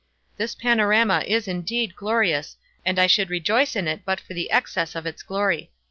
This panorama is indeed glorious, and I should rejoice in it but for the excess of its glory.